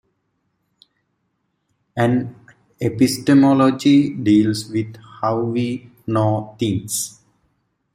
An epistemology deals with how we "know" things.